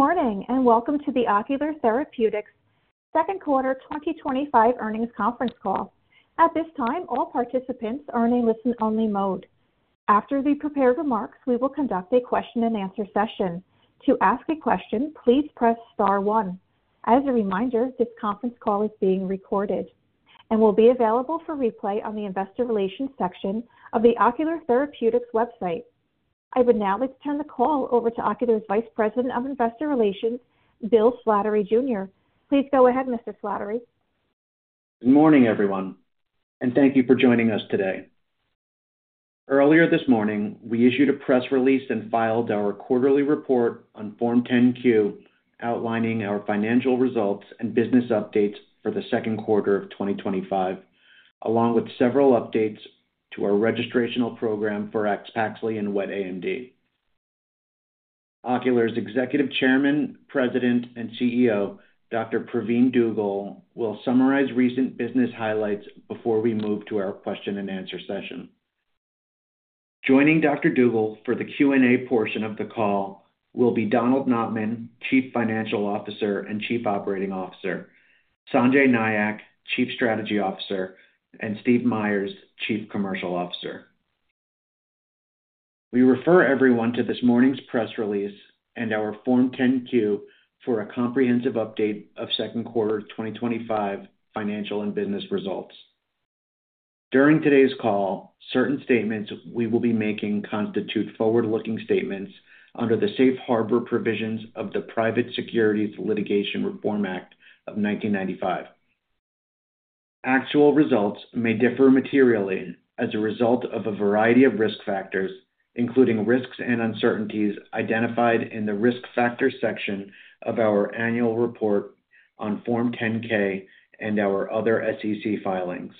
Good morning, and welcome to the Ocular Therapeutix Second Quarter twenty twenty five Earnings Conference Call. At this time, all participants are in a listen only mode. After the prepared remarks, we will conduct a question and answer session. As a reminder, this conference call is being recorded and will be available for replay on the Investor Relations section of the Ocular Therapeutic's website. I would now like to turn the call over to Ocular's Vice President of Investor Relations, Bill Slattery, Jr. Please go ahead, Mr. Slattery. Good morning, everyone, and thank you for joining us today. Earlier this morning, we issued a press release and filed our quarterly report on Form 10 Q outlining our financial results and business updates for the 2025, along with several updates to our registrational program for expaxly and wet AMD. Ocular's Executive Chairman, President and CEO, Doctor. Praveen Dugel, will summarize recent business highlights before we move to our question and answer session. Joining Doctor. Dugal for the Q and A portion of the call will be Donald Knottman, Chief Financial Officer and Chief Operating Officer Sanjay Nayak, Chief Strategy Officer and Steve Myers, Chief Commercial Officer. We refer everyone to this morning's press release and our Form 10 Q for a comprehensive update of second quarter twenty twenty five financial and business results. During today's call, certain statements we will be making constitute forward looking statements under the Safe Harbor provisions of the Private Securities Litigation Reform Act of 1995. Actual results may differ materially as a result of a variety of risk factors, including risks and uncertainties identified in the Risk Factors section of our annual report on Form 10 ks and our other SEC filings.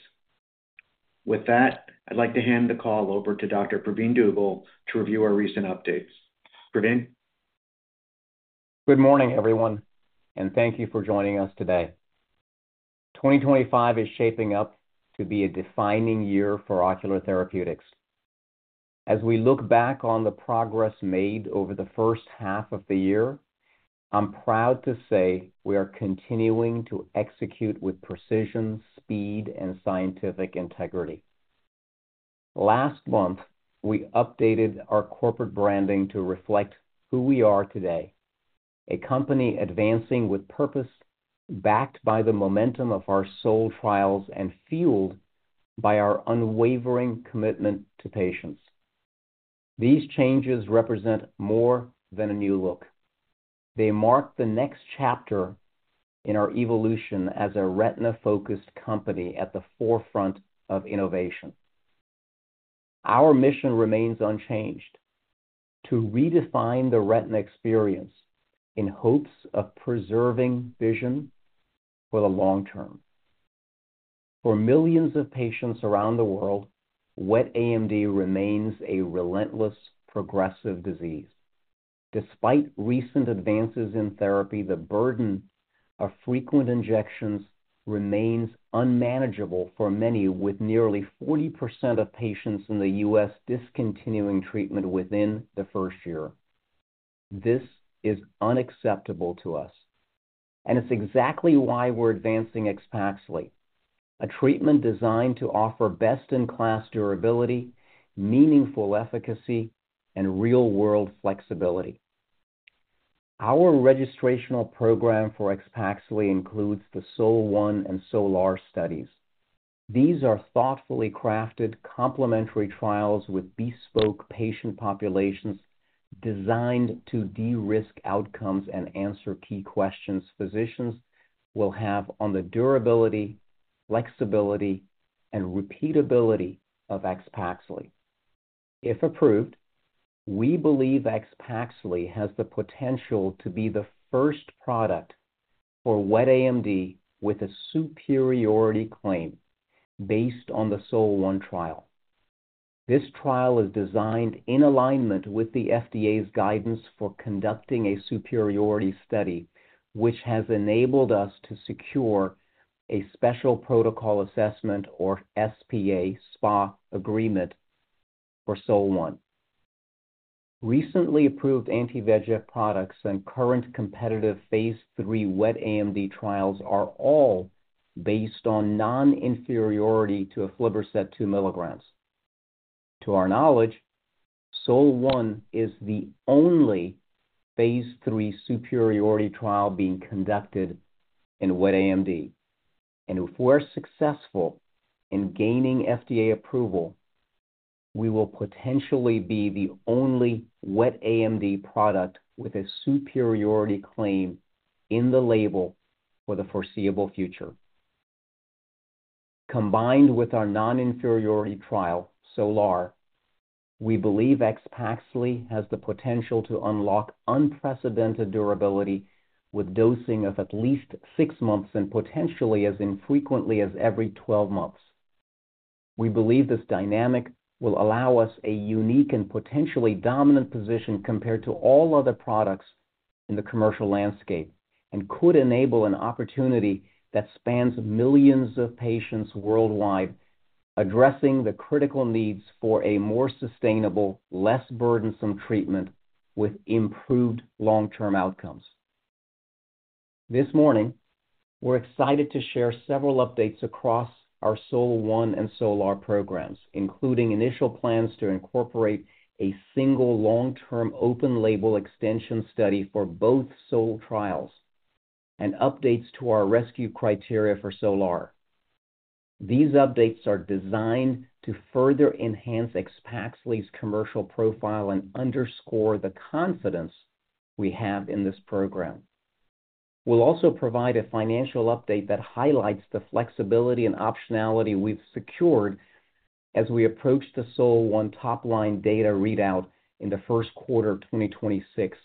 With that, I'd like to hand the call over to Doctor. Praveen Dugel to review our recent updates. Praveen? Morning, everyone, and thank you for joining us today. 2025 is shaping up to be a defining year for Ocular Therapeutix. As we look back on the progress made over the first half of the year, I'm proud to say we are continuing to execute with precision, speed, and scientific integrity. Last month, we updated our corporate branding to reflect who we are today, a company advancing with purpose backed by the momentum of our SOLE trials, and fueled by our unwavering commitment to patients. These changes represent more than a new look. They mark the next chapter in our evolution as a retina focused company at the forefront of innovation. Our mission remains unchanged, to redefine the retina experience in hopes of preserving vision for the long term. For millions of patients around the world, wet AMD remains a relentless progressive disease. Despite recent advances in therapy, the burden of frequent injections remains unmanageable for many, with nearly forty percent of patients in The US discontinuing treatment within the first year. This is unacceptable to us. And it's exactly why we're advancing expaxly, a treatment designed to offer best in class durability, meaningful efficacy, and real world flexibility. Our registrational program for expaxially includes the SOLO-one and SOLO-one studies. These are thoughtfully crafted complementary trials with bespoke patient populations designed to derisk outcomes and answer key questions physicians will have on the durability, flexibility, and repeatability of ex Paxley. If approved, we believe ex Paxley has the potential to be the first product for wet AMD with a superiority claim based on the SOUL-one trial. This trial is designed in alignment with the FDA's guidance for conducting a superiority study, which has enabled us to secure a Special Protocol Assessment, or SPA, SPA agreement for SOUL-one. Recently approved anti VEGF products and current competitive Phase III wet AMD trials are all based on non inferiority to aflibercept two milligrams. To our knowledge, SOUL-one is the only Phase III superiority trial being conducted in wet AMD. And if we're successful in gaining FDA approval, we will potentially be the only wet AMD product with a superiority claim in the label for the foreseeable future. Combined with our non inferiority trial, SOLAR, we believe ex Paxley has the potential to unlock unprecedented durability with dosing of at least six months and potentially as infrequently as every twelve months. We believe this dynamic will allow us a unique and potentially dominant position compared to all other products in the commercial landscape, and could enable an opportunity that spans millions of patients worldwide, addressing the critical needs for a more sustainable, less burdensome treatment with improved long term outcomes. This morning, we're excited to share several updates across our SOLA-one and SOLAAR programs, including initial plans to incorporate a single long term open label extension study for both SOLAL trials, and updates to our rescue criteria for SOLAAR. These updates are designed to further enhance expaxly's commercial profile and underscore the confidence we have in this program. We'll also provide a financial update that highlights the flexibility optionality we've secured as we approach the SOLO-one top line data readout in the 2026.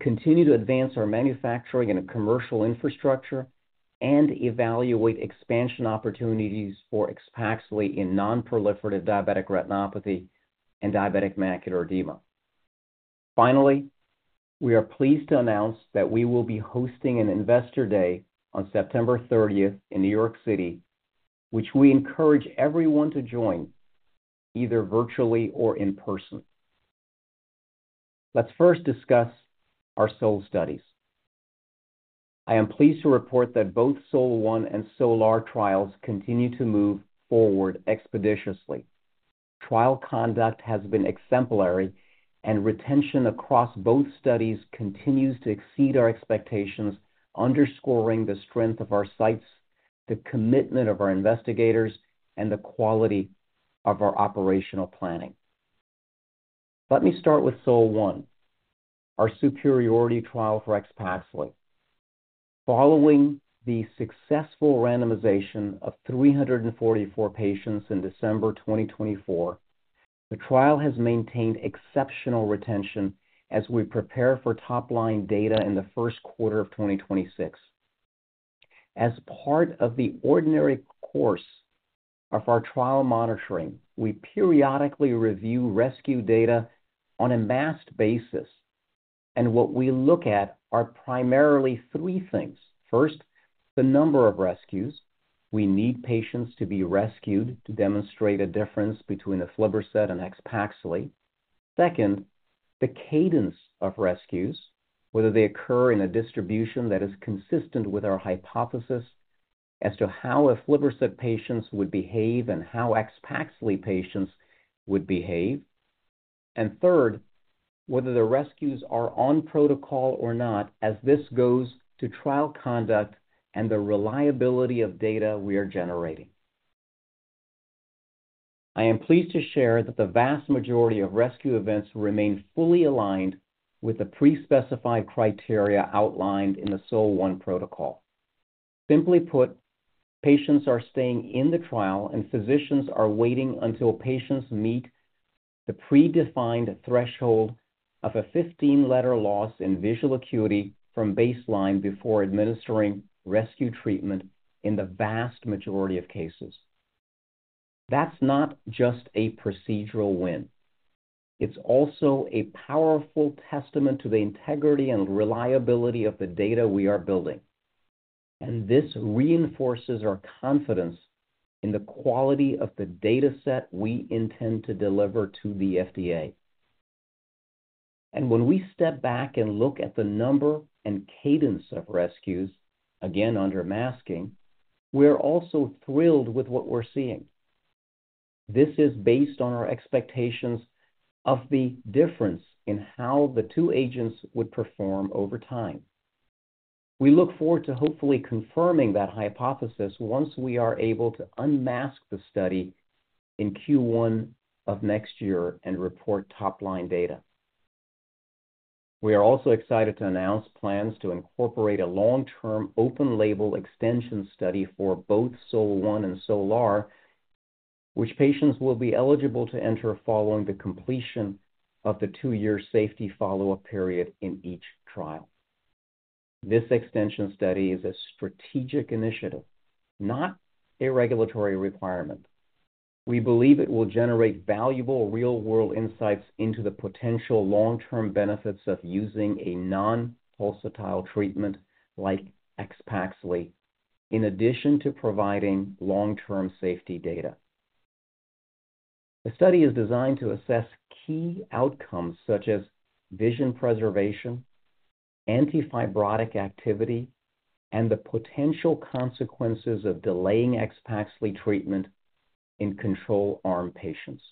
Continue to advance our manufacturing and commercial infrastructure, and evaluate expansion opportunities for expaxially in non proliferative diabetic retinopathy and diabetic macular edema. Finally, we are pleased to announce that we will be hosting an Investor Day on September 30 in New York City, which we encourage everyone to join, either virtually or in person. Let's first discuss our SOUL studies. I am pleased to report that both SOUL-one and SOLAR trials continue to move forward expeditiously. Trial conduct has been exemplary, and retention across both studies continues to exceed our expectations, underscoring the strength of our sites, the commitment of our investigators, and the quality of our operational planning. Let me start with SOLO-one, our superiority trial for ex PASLA. Following the successful randomization of three forty four patients in December 2024, the trial has maintained exceptional retention as we prepare for top line data in the 2026. As part of the ordinary course of our trial monitoring, we periodically review rescue data on a mass basis. And what we look at are primarily three things. First, the number of rescues. We need patients to be rescued to demonstrate a difference between aflibercept and ex Paxil. Second, the cadence of rescues, whether they occur in a distribution that is consistent with our hypothesis as to how aflibercept patients would behave and how expaxially patients would behave. And third, whether the rescues are on protocol or not, as this goes to trial conduct and the reliability of data we are generating. I am pleased to share that the vast majority of rescue events remain fully aligned with the pre specified criteria outlined in the SOLA-one protocol. Simply put, patients are staying in the trial, and physicians are waiting until patients meet the predefined threshold of a 15 letter loss in visual acuity from baseline before administering rescue treatment in the vast majority of cases. That's not just a procedural win. It's also a powerful testament to the integrity and reliability of the data we are building. And this reinforces our confidence in the quality of the data set we intend to deliver to the FDA. And when we step back and look at the number and cadence of rescues, again under masking, we're also thrilled with what we're seeing. This is based on our expectations of the difference in how the two agents would perform over time. We look forward to hopefully confirming that hypothesis once we are able to unmask the study in Q1 of next year and report top line data. We are also excited to announce plans to incorporate a long term open label extension study for both SOLA-one and SOLA-one, which patients will be eligible to enter following the completion of the two year safety follow-up period in each trial. This extension study is a strategic initiative, not a regulatory requirement. We believe it will generate valuable real world insights into the potential long term benefits of using a non pulsatile treatment like expaxly, in addition to providing long term safety data. The study is designed to assess key outcomes such as vision preservation, anti fibrotic activity, and the potential consequences of delaying ex Paxley treatment in control arm patients.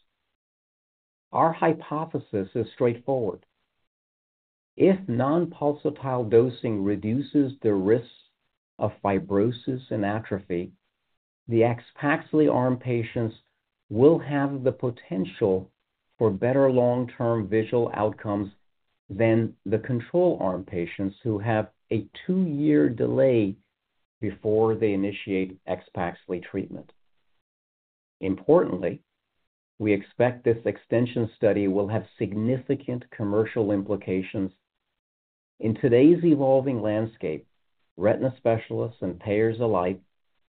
Our hypothesis is straightforward. If non pulsatile dosing reduces the risk of fibrosis and atrophy, the ex Paxley arm patients will have the potential for better long term visual outcomes than the control arm patients who have a two year delay before they initiate ex Paxley treatment. Importantly, we expect this extension study will have significant commercial implications. In today's evolving landscape, retina specialists and payers alike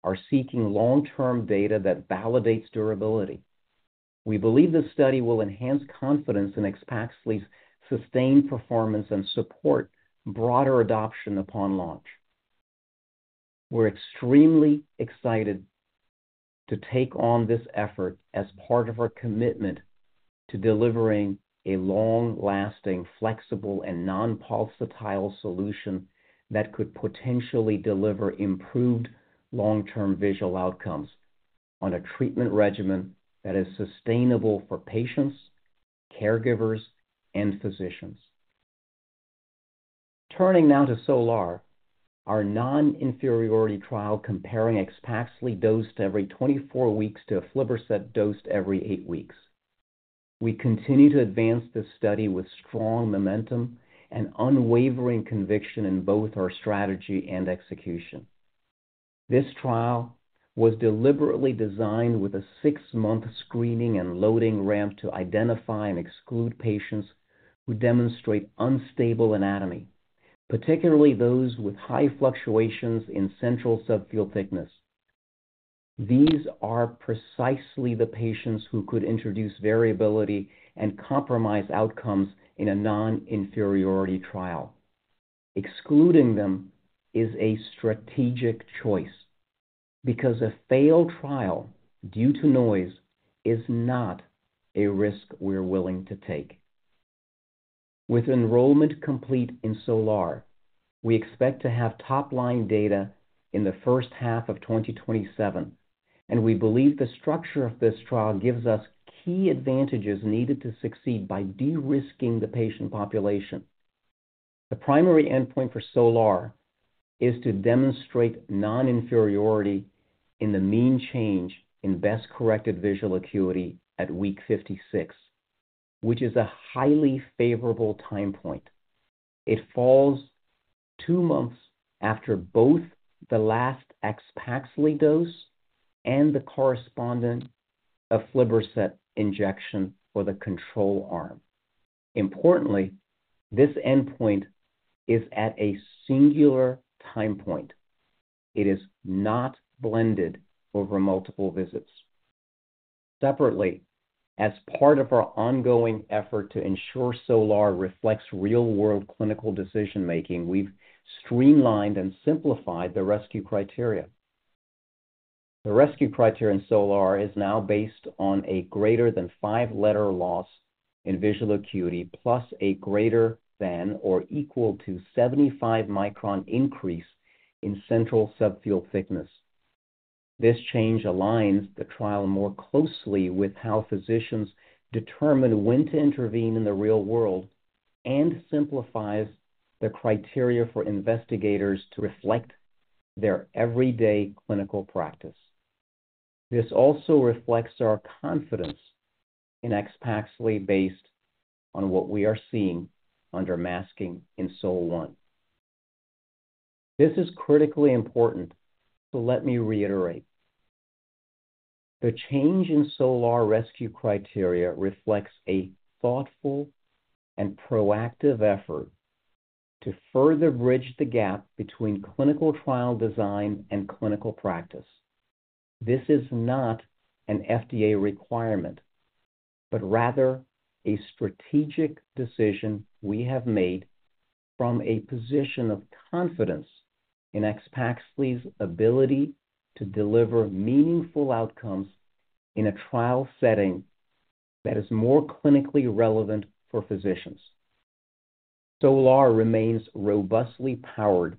are seeking long term data that validates durability. We believe this study will enhance confidence in expaxly's sustained performance and support broader adoption upon launch. We're extremely excited to take on this effort as part of our commitment to delivering a long lasting, flexible, and non pulsatile solution that could potentially deliver improved long term visual outcomes on a treatment regimen that is sustainable for patients, caregivers, and physicians. Turning now to SOLAR, our non inferiority trial comparing expaxly dosed every twenty four weeks to aflibercept dosed every eight weeks. We continue to advance this study with strong momentum and unwavering conviction in both our strategy and execution. This trial was deliberately designed with a six month screening and loading ramp to identify and exclude patients who demonstrate unstable anatomy, particularly those with high fluctuations in central subfield thickness. These are precisely the patients who could introduce variability and compromise outcomes in a non inferiority trial. Excluding them is a strategic choice, because a failed trial due to noise is not a risk we're willing to take. With enrollment complete in SOLAR, we expect to have top line data in the 2027. And we believe the structure of this trial gives us key advantages needed to succeed by de risking the patient population. The primary endpoint for SOLAR is to demonstrate non inferiority in the mean change in best corrected visual acuity at week fifty six, which is a highly favorable time point. It falls two months after both the last ex Paxley dose and the correspondent aflibercept injection for the control arm. Importantly, this endpoint is at a singular time point. It is not blended over multiple visits. Separately, as part of our ongoing effort to ensure SOLAR reflects real world clinical decision making, we've streamlined and simplified the rescue criteria. The rescue criteria in SOLAR is now based on a greater than five letter loss in visual acuity, plus a greater than or equal to 75 micron increase in central subfield thickness. This change aligns the trial more closely with how physicians determine when to intervene in the real world, and simplifies the criteria for investigators to reflect their everyday clinical practice. This also reflects our confidence in ex Paxley based on what we are seeing under masking in SOLA-one. This is critically important, so let me reiterate. The change in SOLAR rescue criteria reflects a thoughtful and proactive effort to further bridge the gap between clinical trial design and clinical practice. This is not an FDA requirement, but rather a strategic decision we have made from a position of confidence in expaxly's ability to deliver meaningful outcomes in a trial setting that is more clinically relevant for physicians. SOLAR remains robustly powered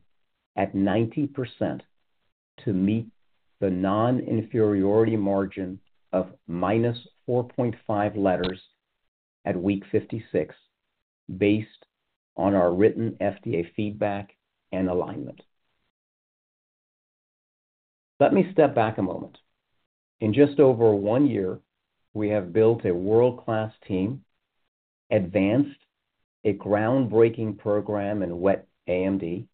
at 90% to meet the non inferiority margin of minus 4.5 letters at week 56, based on our written FDA feedback and alignment. Let me step back a moment. In just over one year, we have built a world class team, advanced a groundbreaking program in wet AMD,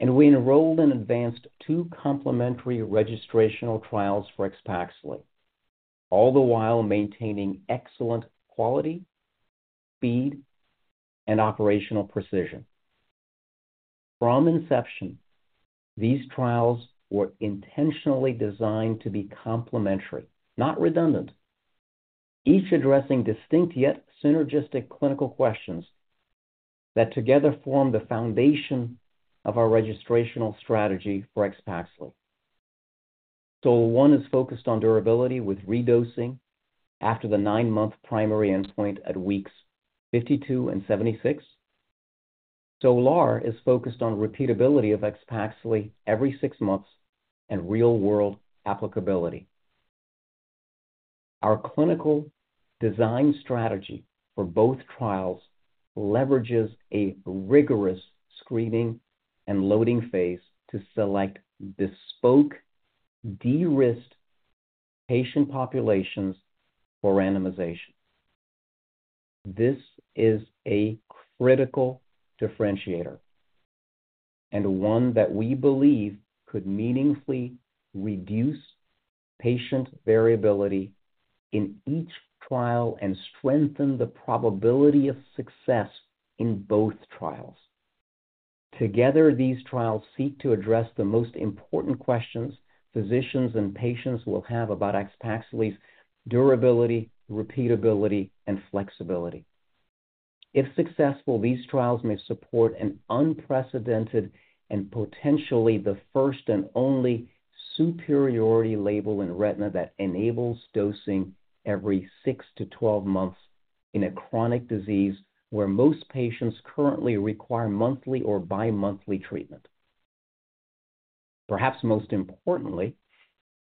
And we enrolled and advanced two complementary registrational trials for expaxially, all the while maintaining excellent quality, speed, and operational precision. From inception, these trials were intentionally designed to be complementary, not redundant. Each addressing distinct yet synergistic clinical questions that together form the foundation of our registrational strategy for ex Paxlo. SOLA-one is focused on durability with redosing after the nine month primary endpoint at weeks fifty two and seventy six. ZOLAR is focused on repeatability of ex Paxley every six months and real world applicability. Our clinical design strategy for both trials leverages a rigorous screening and loading phase to select bespoke de risked patient populations for randomization. This is a critical differentiator, and one that we believe could meaningfully reduce patient variability in each trial and strengthen the probability of success in both trials. Together, these trials seek to address the most important questions physicians and patients will have about axpaxil's durability, repeatability, and flexibility. If successful, these trials may support an unprecedented and potentially the first and only superiority label in retina that enables dosing every six to twelve months in a chronic disease where most patients currently require monthly or bimonthly treatment. Perhaps most importantly,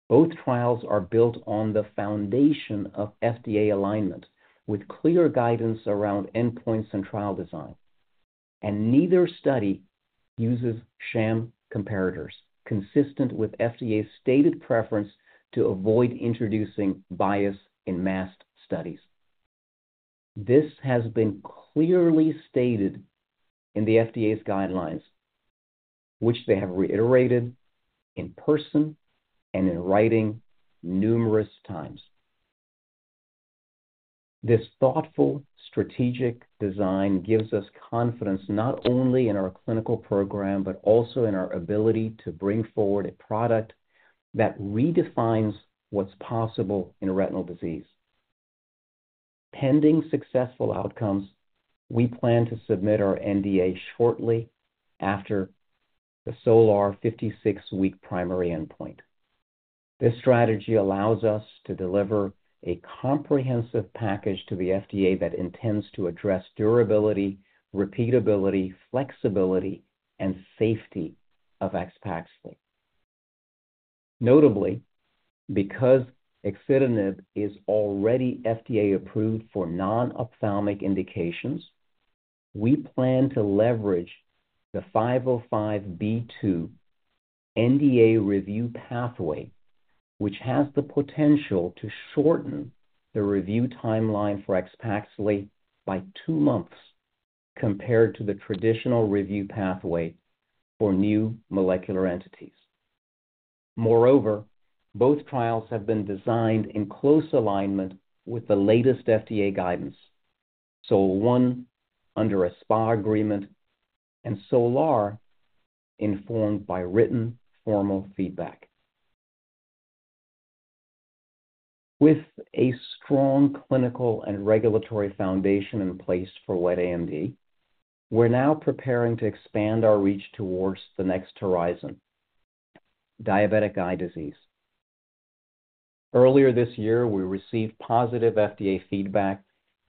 both trials are built on the foundation of FDA alignment, with clear guidance around endpoints and trial design. And neither study uses sham comparators, consistent with FDA's stated preference to avoid introducing bias in MAST studies. This has been clearly stated in the FDA's guidelines, which they have reiterated in person and in writing numerous times. This thoughtful, strategic design gives us confidence not only in our clinical program, but also in our ability to bring forward a product that redefines what's possible in retinal disease. Pending successful outcomes, we plan to submit our NDA shortly after the SOLAR fifty six week primary endpoint. This strategy allows us to deliver a comprehensive package to the FDA that intends to address durability, repeatability, flexibility, and safety of expaxly. Notably, because exitabine is already FDA approved for non ophthalmic indications, we plan to leverage the five zero five(two) NDA review pathway, which has the potential to shorten the review timeline for expaxillary by two months compared to the traditional review pathway for new molecular entities. Moreover, both trials have been designed in close alignment with the latest FDA guidance, SOLA-one under a SPA agreement, and SOLA-one informed by written formal feedback. With a strong clinical and regulatory foundation in place for wet AMD, we're now preparing to expand our reach towards the next horizon, diabetic eye disease. Earlier this year, we received positive FDA feedback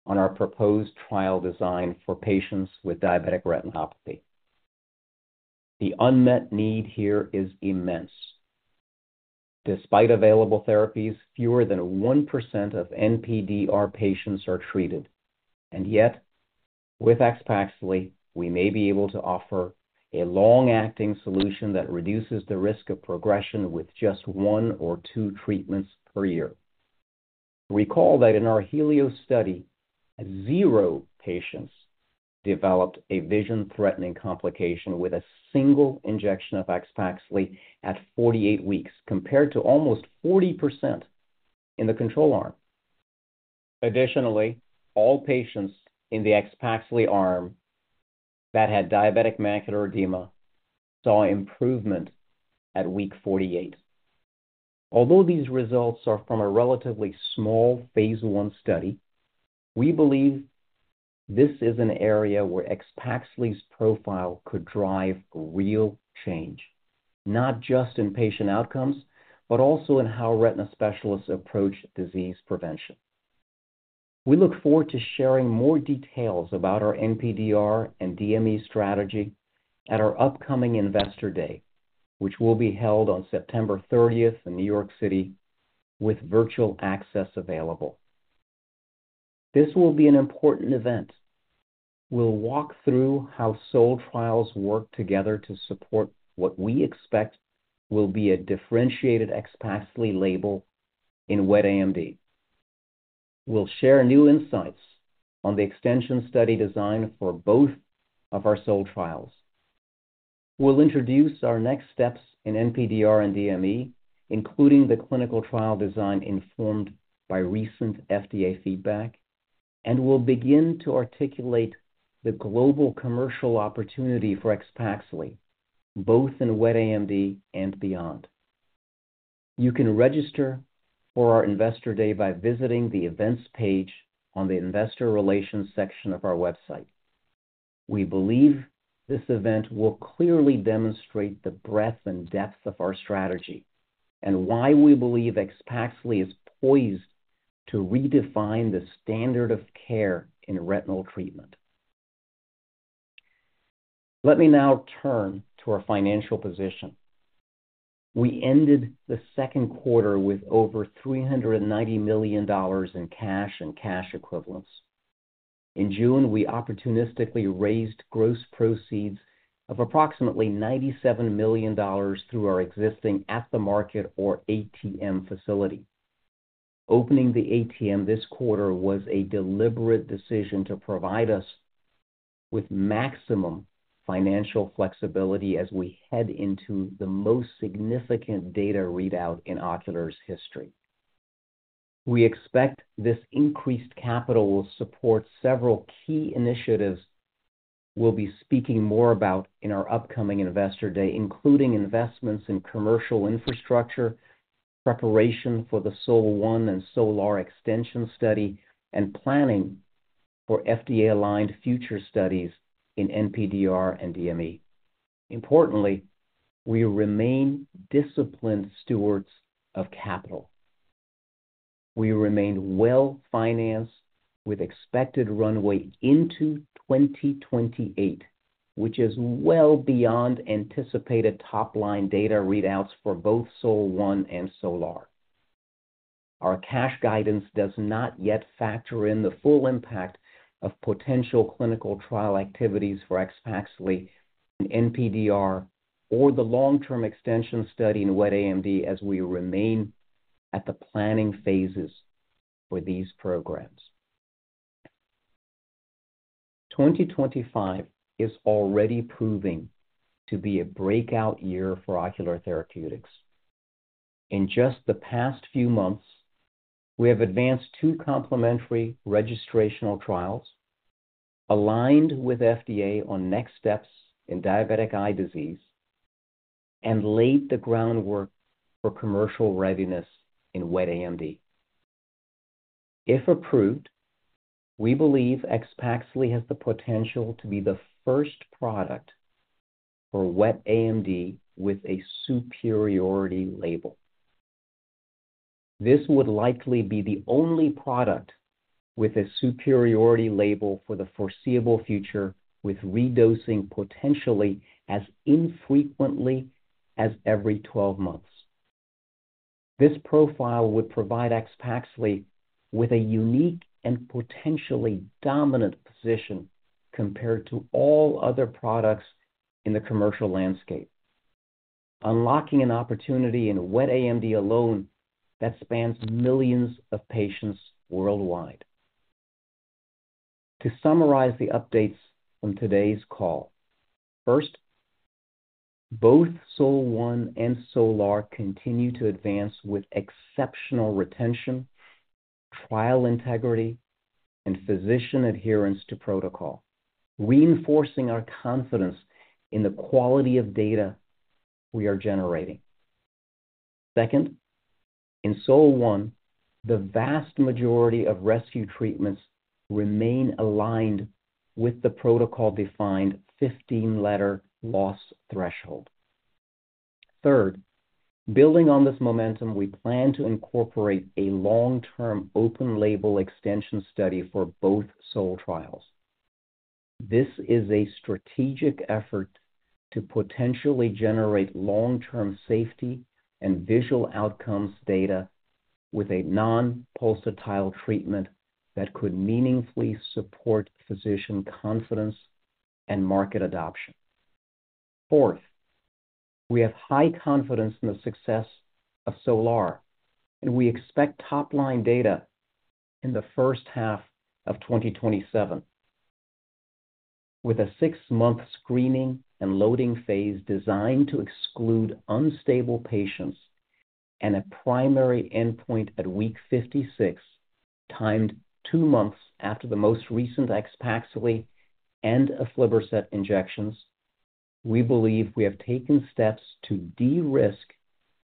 on our proposed trial design for patients with diabetic retinopathy. The unmet need here is immense. Despite available therapies, fewer than one percent of NPDR patients are treated. And yet, with expaxially, we may be able to offer a long acting solution that reduces the risk of progression with just one or two treatments per year. Recall that in our HELIOS study, zero patients developed a vision threatening complication with a single injection of Axpaxly at forty eight weeks, compared to almost forty percent in the control arm. Additionally, all patients in the ex Paxley arm that had diabetic macular edema saw improvement at week forty eight. Although these results are from a relatively small Phase one study, we believe this is an area where Expaxly's profile could drive real change, not just in patient outcomes, but also in how retina specialists approach disease prevention. We look forward to sharing more details about our NPDR and DME strategy at our upcoming Investor Day, which will be held on September 30 in New York City with virtual access available. This will be an important event. We'll walk through how SOLE trials work together to support what we expect will be a differentiated ex PASI label in wet AMD. We'll share new insights on the extension study design for both of our SOLD trials. We'll introduce our next steps in NPDR and DME, including the clinical trial design informed by recent FDA feedback. And will begin to articulate the global commercial opportunity for expaxially, both in wet AMD and beyond. You can register for our Investor Day by visiting the Events page on the Investor Relations section of our website. We believe this event will clearly demonstrate the breadth and depth of our strategy, and why we believe EXPAXLY is poised to redefine the standard of care in retinal treatment. Let me now turn to our financial position. We ended the second quarter with over $390,000,000 in cash and cash equivalents. In June, we opportunistically raised gross proceeds of approximately $97,000,000 through our existing at the market or ATM facility. Opening the ATM this quarter was a deliberate decision to provide us with maximum financial flexibility as we head into the most significant data readout in Ocular's history. We expect this increased capital will support several key initiatives we'll be speaking more about in our upcoming Investor Day, including investments in commercial infrastructure, preparation for the SOLA-one and SOLA-one extension study, and planning for FDA aligned future studies in NPDR and DME. Importantly, we remain disciplined stewards of capital. We remain well financed with expected runway into 2028, which is well beyond anticipated top line data readouts for both SOUL-one and SOLAAR. Our cash guidance does not yet factor in the full impact of potential clinical trial activities for ex Paxley in NPDR or the long term extension study in wet AMD as we remain at the planning phases for these programs. 2025 is already proving to be a breakout year for Ocular Therapeutix. In just the past few months, we have advanced two complementary registrational trials, aligned with FDA on next steps in diabetic eye disease, and laid the groundwork for commercial readiness in wet AMD. If approved, we believe Expaxly has the potential to be the first product for wet AMD with a superiority label. This would likely be the only product with a superiority label for the foreseeable future with redosing potentially as infrequently as every twelve months. This profile would provide expaxly with a unique and potentially dominant position compared to all other products in the commercial landscape, unlocking an opportunity in wet AMD alone that spans millions of patients worldwide. To summarize the updates on today's call. First, both SOLA-one and SOLAR continue to advance with exceptional retention, trial integrity, and physician adherence to protocol, reinforcing our confidence in the quality of data we are generating. Second, in SOUL-one, the vast majority of rescue treatments remain aligned with the protocol defined 15 letter loss threshold. Third, building on this momentum, we plan to incorporate a long term open label extension study for both SOUL trials. This is a strategic effort to potentially generate long term safety and visual outcomes data with a non pulsatile treatment that could meaningfully support physician confidence and market adoption. Fourth, we have high confidence in the success of SOLAR, and we expect top line data in the 2027. With a six month screening and loading phase designed to exclude unstable patients, and a primary endpoint at week fifty six, timed two months after the most recent ex Paxil aflibercept injections, we believe we have taken steps to de risk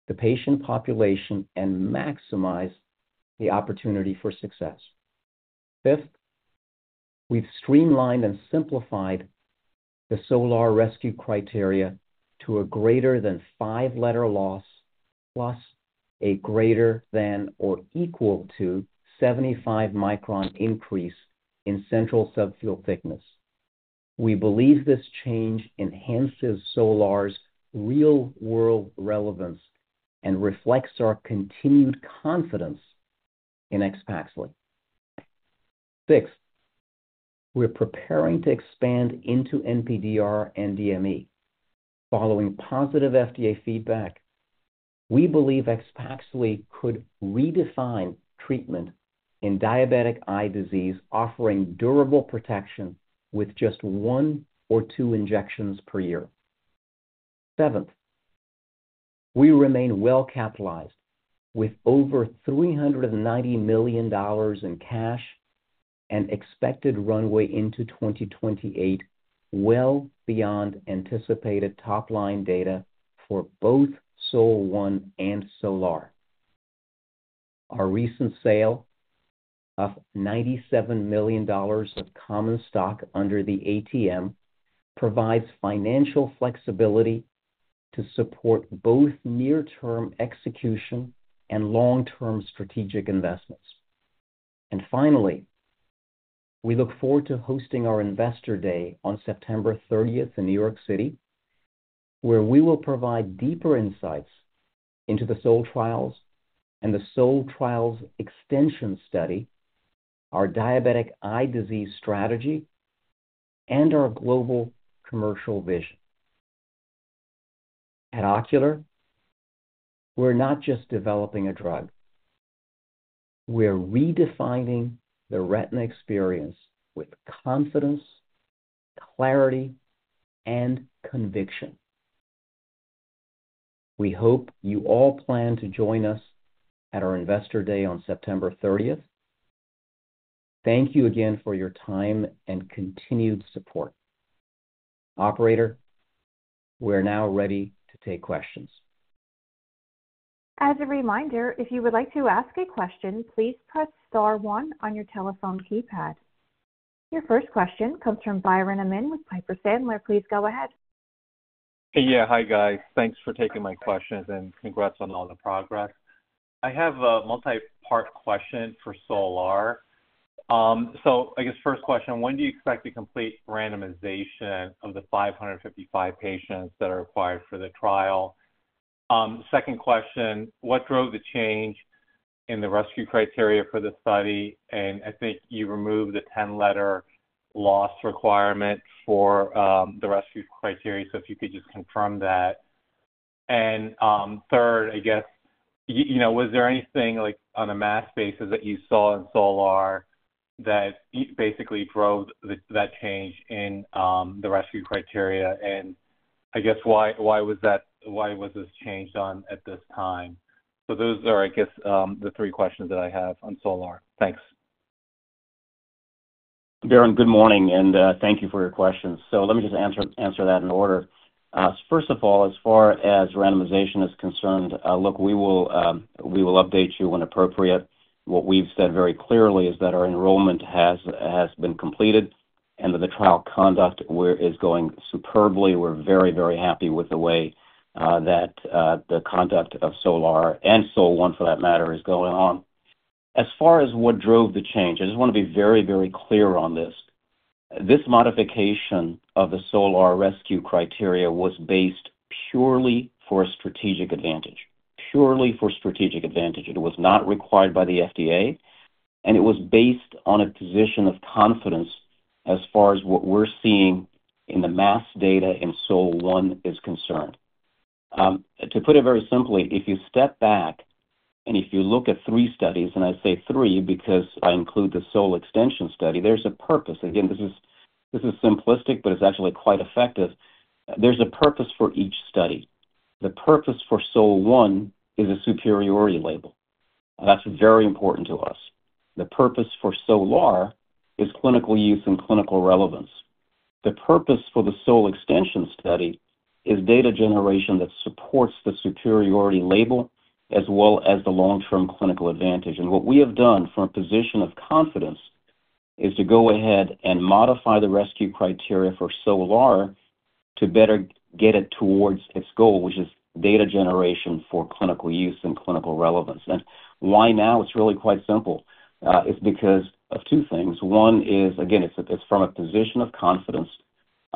the patient population and maximize the opportunity for success. Fifth, we've streamlined and simplified the SOLAR rescue criteria to a greater than five letter loss, plus a greater than or equal to 75 micron increase in central subfield thickness. We believe this change enhances SOLAR's real world relevance and reflects our continued confidence in ex Paxley. Sixth, we're preparing to expand into NPDR and DME. Following positive FDA feedback, we believe ex Paxley could redefine treatment in diabetic eye disease, offering durable protection with just one or two injections per year. Seventh, we remain well capitalized with over $390,000,000 in cash and expected runway into 2028, well beyond anticipated top line data for both SOLA-one and SOLAR. Our recent sale of $97,000,000 of common stock under the ATM provides financial flexibility to support both near term execution and long term strategic investments. And finally, we look forward to hosting our Investor Day on September 30 in New York City, where we will provide deeper insights into the SOLE trials and the SOLE trials extension study, our diabetic eye disease strategy, and our global commercial vision. At Ocular, we're not just developing a drug. We're redefining the retina experience with confidence, clarity, and conviction. We hope you all plan to join us at our Investor Day on September 30. Thank you again for your time and continued support. Operator, we're now ready to take questions. Your first question comes from Byron Amin with Piper Sandler. Please go ahead. Yeah. Hi, guys. Thanks for taking my questions, and congrats on all the progress. I have a multipart question for SOLAR. So I guess first question, when do you expect to complete randomization of the five fifty five patients that are required for the trial? Second question, what drove the change in the rescue criteria for the study? And I think you removed the 10 letter loss requirement for the rescue criteria. So if you could just confirm that. And third, I guess, was there anything like on a mass basis that you saw in solar that basically drove that change in the rescue criteria? And I guess why was that? Why was this changed on at this time? So those are I guess the three questions that I have on SOLAR. Thanks. Baron, good morning and thank you for your questions. So let me just answer that in order. First of all, as far as randomization is concerned, look, we will update you when appropriate. What we've said very clearly is that our enrollment has been completed. And that the trial conduct is going superbly. We're very, very happy with the way that the conduct of SOLAR and SOLAR one for that matter is going on. As far as what drove the change, I just want to be very, very clear on this. This modification of the SOLAR rescue criteria was based purely for strategic advantage. Purely for strategic advantage. It was not required by the FDA. And it was based on a position of confidence as far as what we're seeing in the mass data in SOLAR-one is concerned. To put it very simply, if you step back and if you look at three studies, and I say three because I include the SOUL extension study, there's a purpose. Again this is simplistic but it's actually quite effective. There's a purpose for each study. The purpose for SOUL I is a superiority label. That's very important to us. The purpose for SOULAR is clinical use and clinical relevance. The purpose for the SOLAR extension study is data generation that supports the superiority label as well as the long term clinical advantage. And what we have done from a position of confidence is to go ahead and modify the rescue criteria for SOLAR to better get it towards its goal which is data generation for clinical use and clinical relevance. And why now? It's really quite simple. It's because of two things. One is, again it's from a position of confidence.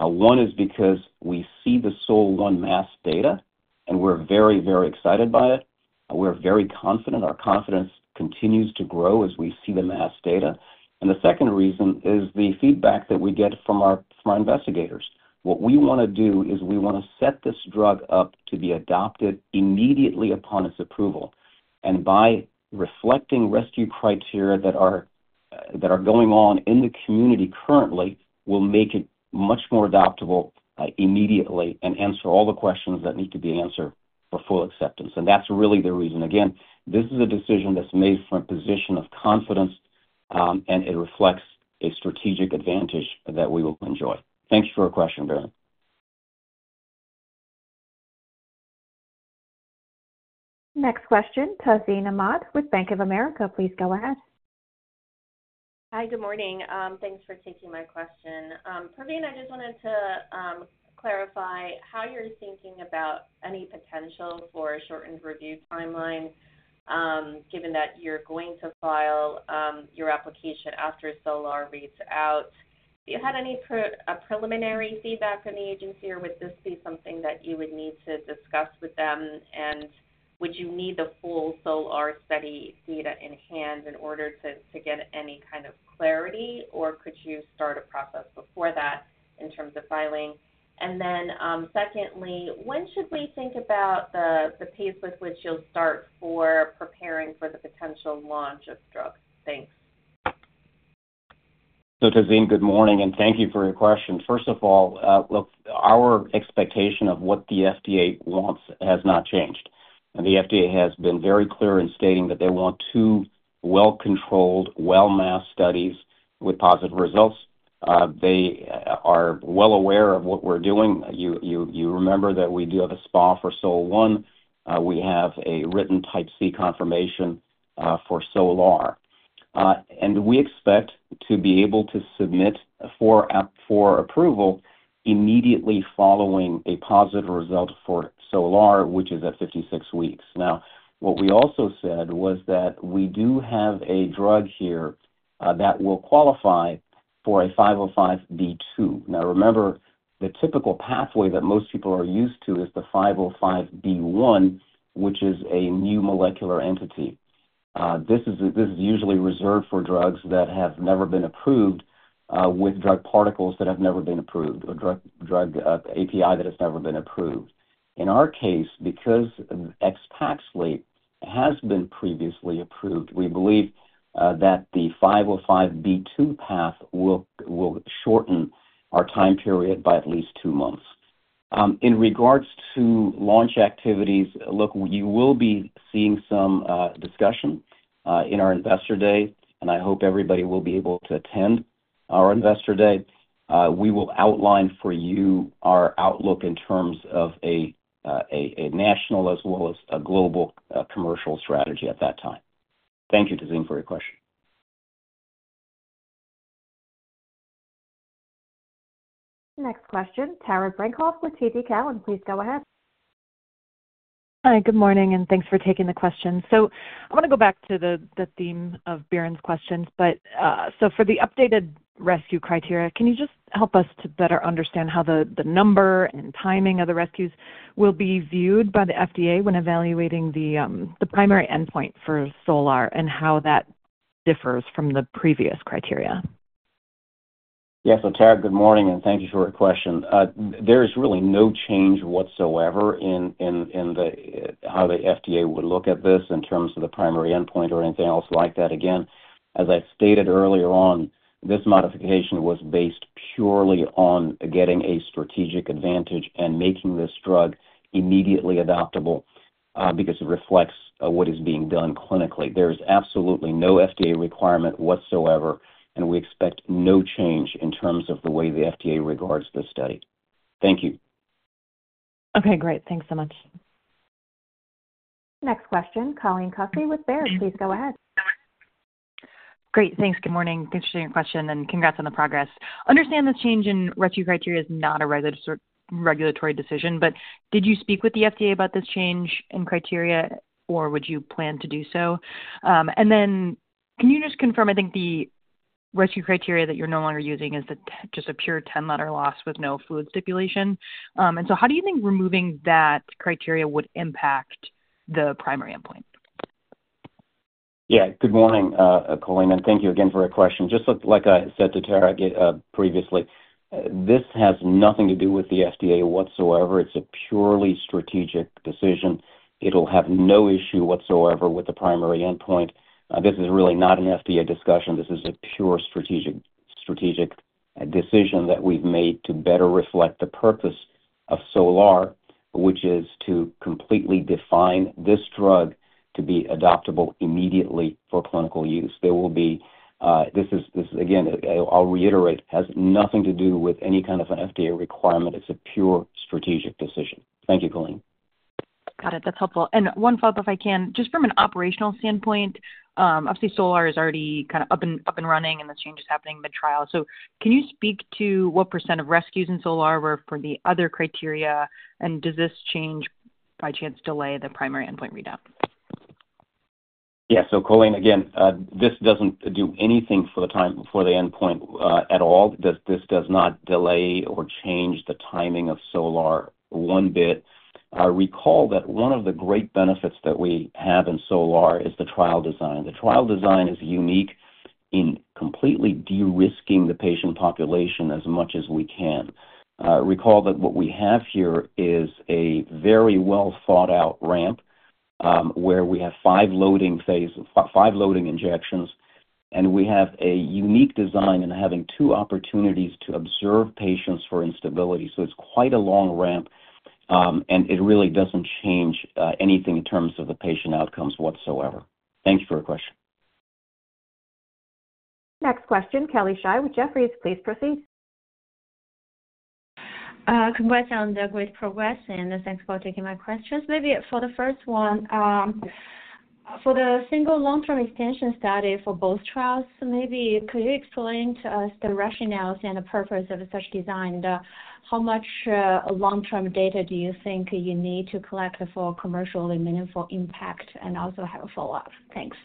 One is because we see the SOUL-one MASS data and we're very, very excited by it. We're very confident. Our confidence continues to grow as we see the MASS data. And the second reason is the feedback that we get from investigators. What we want to do is we want to set this drug up to be adopted immediately upon its approval. And by reflecting rescue criteria that are going on in the community currently, we'll make it much more adoptable immediately and answer all the questions that need to be answered for full acceptance. And that's really the reason. Again, this is a decision that's made from a position of confidence and it reflects a strategic advantage that we will enjoy. Thanks for your question, Barry. Next question, Tazeen Ahmad with Bank of America. Please go ahead. Hi, good morning. Thanks for taking my question. Praveen, I just wanted to clarify how you're thinking about any potential for a shortened review timeline, given that you're going to file your application after SOLAR reads out. Do you have any preliminary feedback from the agency, or would this be something that you would need to discuss with them, and would you need the full SOLAR study data in hand in order to get any kind of clarity, or could you start a process before that in terms of filing? And then secondly, when should we think about the pace with which you'll start for preparing for the potential launch of drugs? Thanks. So Tazeen, good morning, and thank you for your question. First of all, look, our expectation of what the FDA wants has not changed. And the FDA has been very clear in stating that they want two well controlled, well masked studies with positive results. They are well aware of what we're doing. You remember that we do have a SPA for SOLO-one. We have a written Type C confirmation for SOLAR. And we expect to be able to submit for approval immediately following a positive result for SOLAR, which is at fifty six weeks. Now, what we also said was that we do have a drug here that will qualify for a five zero five(two). Now remember, the typical pathway that most people are used to is the five zero five B1, which is a new molecular entity. This is usually reserved for drugs that have never been approved with drug particles that have never been approved, or drug API that has never been approved. In our case, because ex Paxley has been previously approved, we believe that the five zero five(two) path will shorten our time period by at least two months. In regards to launch activities, look, you will be seeing some discussion in our Investor Day, and I hope everybody will be able to attend our Investor Day. We will outline for you our outlook in terms of a national as well as a global commercial strategy at that time. Thank you Tazeen for your question. Next question, Tara Brenkopf with TD Cowen. Please go ahead. Hi, good morning and thanks for taking the question. So I want to go back to the theme of Biren's questions. So for the updated rescue criteria, can you just help us to better understand how the number and timing of the rescues will be viewed by the FDA when evaluating the primary endpoint for SOLAR and how that differs from the previous criteria. Yes, so Tara, good morning and thank you for your question. There's really no change whatsoever in how the FDA would look at this in terms of the primary endpoint or anything else like that. Again, as I stated earlier on, this modification was based purely on getting a strategic advantage and making this drug immediately adoptable because it reflects what is being done clinically. There's absolutely no FDA requirement whatsoever. And we expect no change in terms of the way the FDA regards this study. Thank you. Okay, great. Thanks so much. Next question, Colleen Cuske with Baird. Please go ahead. Great, thanks. Good morning. Thanks for taking the question, and congrats on the progress. I understand the change in rescue criteria is not a regulatory decision, but did you speak with the FDA about this change in criteria or would you plan to do so? And then can you just confirm, I think the rescue criteria that you're no longer using is just a pure 10 letter loss with no fluid stipulation. And so how do you think removing that criteria would impact the primary endpoint? Yeah, good morning Colleen and thank you again for the question. Just like I said to Tara, previously, this has nothing to do with the FDA whatsoever. It's a purely strategic decision. It'll have no issue whatsoever with the primary endpoint. This is really not an FDA discussion. This is a pure strategic decision that we've made to better reflect the purpose of SOLAR, which is to completely define this drug to be adoptable immediately for clinical use. There will be, this is again, I'll reiterate, has nothing to do with any kind of an FDA requirement. It's a pure strategic decision. Thank you Colleen. Got it, that's helpful. And one follow-up if I can. Just from an operational standpoint, obviously SOLAR is already kind of up and running and the change is happening in the trial. So can you speak to what percent of rescues in SOLAR were for the other criteria? And does this change by chance delay the primary endpoint readout? Yes, so Colleen, again, this doesn't do anything for the endpoint at all. This does not delay or change the timing of SOLAR one bit. Recall that one of the great benefits that we have in SOLAR is the trial design. The trial design is unique in completely de risking the patient population as much as we can. Recall that what we have here is a very well thought out ramp where we have five injections and we have a unique design in having two opportunities to observe patients for instability. So it's quite a long ramp and it really doesn't change anything in terms of the patient outcomes whatsoever. Thanks for your question. Next question, Kelly Shai with Jefferies. Please proceed. Congrats on the great progress and thanks for taking my questions. Maybe for the first one, for the single long term extension study for both trials, maybe could you explain to us the rationale and the purpose of such design? How much long term data do you think you need to collect for commercially meaningful impact? And also, I have a follow-up. Thanks.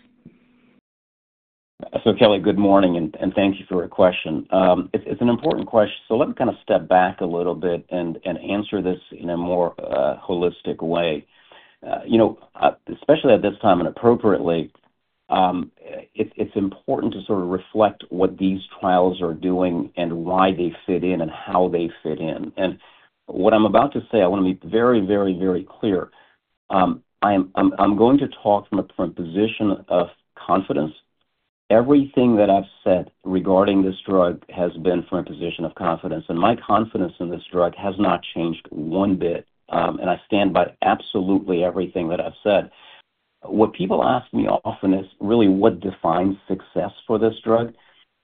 So, Kelly, good morning, thank you for your question. It's an important question. So let me kind of step back a little bit and answer this in a more holistic way. Especially at this time and appropriately, it's important to sort of reflect what these trials are doing and why they fit in and how they fit in. And what I'm about to say, I want to be very, very, very clear. I'm going to talk from a position of confidence. Everything that I've said regarding this drug has been from a position of confidence. And my confidence in this drug has not changed one bit. And I stand by absolutely everything that I've said. What people ask me often is really what defines success for this drug?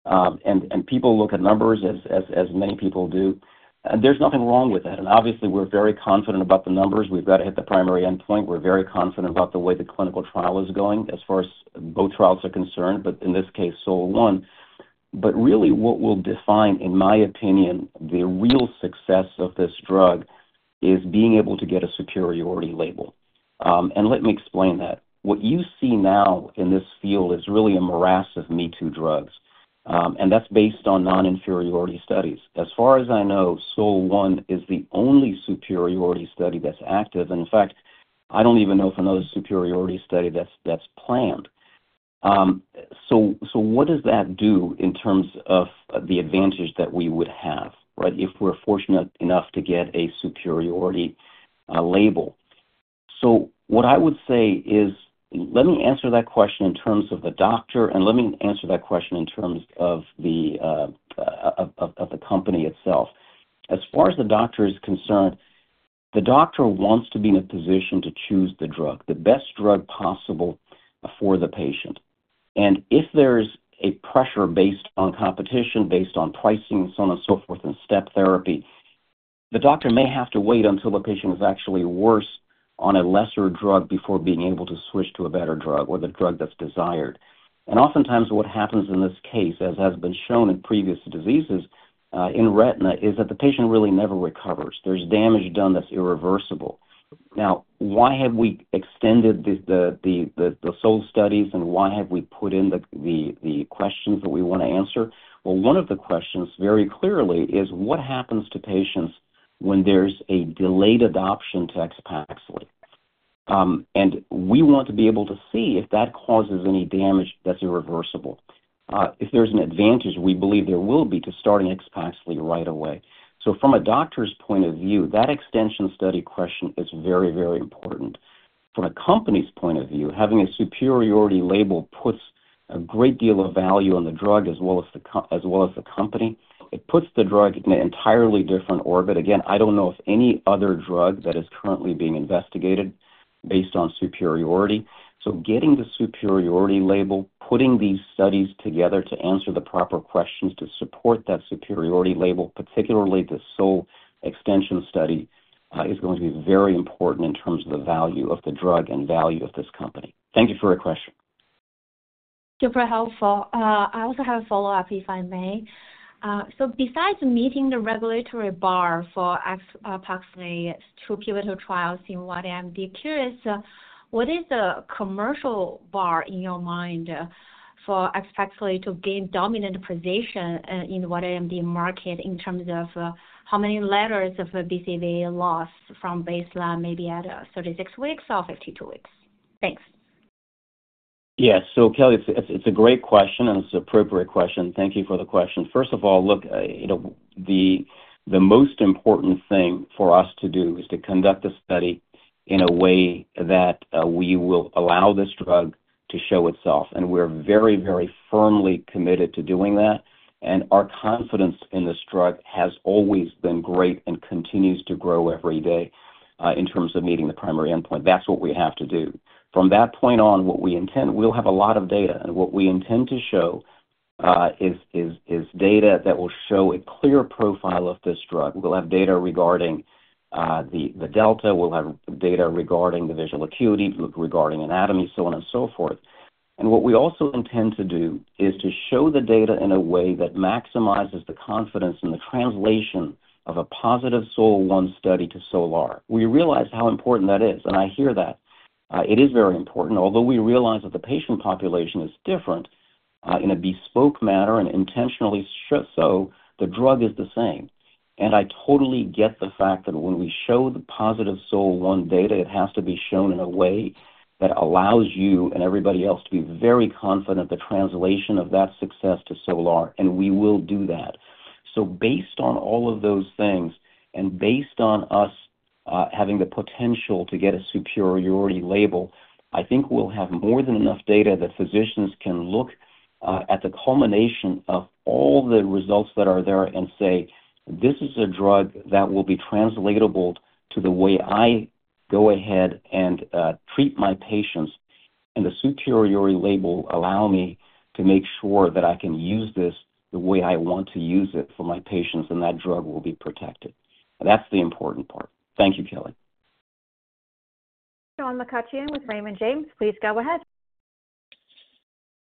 And people look at numbers as many people do. And there's nothing wrong with that. And obviously we're very confident about the numbers. We've got to hit the primary endpoint. We're very confident about the way the clinical trial is going as far as both trials are concerned. But in this case SOLO-one. But really what will define in my opinion, the real success of this drug is being able to get a superiority label. And let me explain that. What you see now in this field is really a morass of me too drugs. And that's based on non inferiority studies. As far as I know, SOUL-one is the only superiority study that's active. And in fact, I don't even know if another superiority study that's planned. So what does that do in terms of the advantage that we would have, right, if we're fortunate enough to get a superiority label? So what I would say is let me answer that question in terms of the doctor and let me answer that question in terms of the company itself. As far as the doctor is concerned, the doctor wants to be in a position to choose the drug, the best drug possible for the patient. And if there's a pressure based on competition, based on pricing and so on and so forth and step therapy, the doctor may have to wait until the patient is actually worse on a lesser drug before being able to switch to a better drug or the drug that's desired. And often times what happens in this case as has been shown in previous diseases in retina is that the patient really never recovers. There's damage done that's irreversible. Now why have we extended the SOUL studies and why have we put in the questions that we want to answer? Well one of the questions very clearly is what happens to patients when there's a delayed adoption to expaxially? And we want to be able to see if that causes any damage that's irreversible. If there's an advantage, we believe there will be to starting expaxially right away. So from a doctor's point of view, that extension study question is very, very important. From a company's point of view, having a superiority label puts a great deal of value on the drug as well as the company. It puts the drug in an entirely different orbit. Again, I don't know of any other drug that is currently being investigated based on superiority. So getting the superiority label, putting these studies together to answer the proper questions to support that superiority label, particularly the SOUL extension study is going to be very important in terms of the value of the drug and value of this company. Thank you for your question. Super helpful. I also have a follow-up, if I may. So besides meeting the regulatory bar for approximately two pivotal trials in YAMD, curious, what is the commercial bar in your mind for to gain dominant position in the wet AMD market in terms of how many letters of a BCVA loss from baseline maybe at thirty six weeks or fifty two weeks? Thanks. Yes, so Kelly, it's a great question and it's an appropriate question. Thank you for the question. First of all, look, the most important thing for us to do is to conduct a study in a way that we will allow this drug to show itself. And we're very, very firmly committed to doing that. And our confidence in this drug has always been great and continues to grow every day in terms of meeting the primary endpoint. That's what we have to do. From that point on what we intend, we'll have a lot of data. And what we intend to show is data that will show a clear profile of this drug. We'll have data regarding the delta, we'll have data regarding the visual acuity, regarding anatomy, so on and so forth. And what we also intend to do is to show the data in a way that maximizes the confidence in the translation of a positive SOLA-one study to SOLAAR. We realize how important that is and I hear that. It is very important. Although we realize that the patient population is different in a bespoke manner and intentionally so, the drug is the same. And I totally get the fact that when we show the positive SOLO-one data it has to be shown in a way that allows you and everybody else to be very confident the translation of that success to SOUL R. And we will do that. So based on all of those things and based on us having the potential to get a superiority label, I think we'll have more than enough data that physicians can look at the culmination of all the results that are there and say, this is a drug that will be translatable to the way I go ahead and treat my patients. And the superiority label allow me to make sure that I can use this the way I want to use it for my patients and that drug will be protected. That's the important part. Thank you, Kelly. John McCutcheon with Raymond James. Please go ahead.